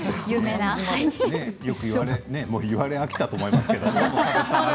言われ飽きたと思いますけれど。